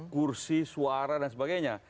kursi suara dan sebagainya